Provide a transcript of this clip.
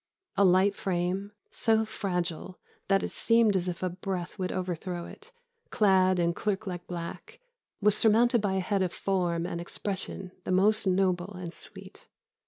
A light frame, so fragile that it seemed as if a breath would overthrow it, clad in clerklike black, was surmounted by a head of form and expression the most noble and sweet.